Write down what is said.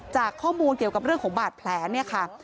จากข้อมูลเกี่ยวกับเรื่องของบาดแผลเนี่ยค่ะ